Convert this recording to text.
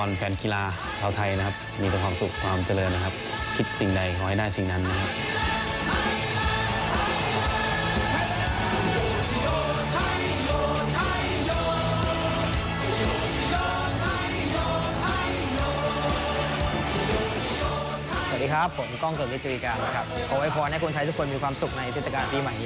ในปีใหม่ที่จะมาถึงนี้นะครับผมก็ขอให้พอให้